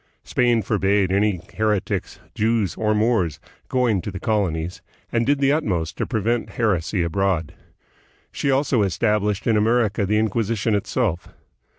Spain forbade any heretics, Jews, or Moors going to the colonies, and did the utmost to prevent heresy abroad. She also established in Amer ica the Inquisition itself.